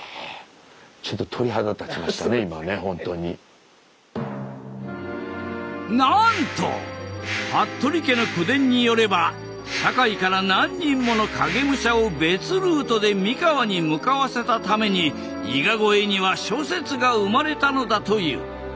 ちょっとなんと服部家の口伝によれば堺から何人もの影武者を別ルートで三河に向かわせたために伊賀越えには諸説が生まれたのだという。